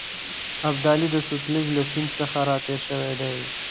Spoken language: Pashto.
ابدالي د سوتلیج له سیند څخه را تېر شوی دی.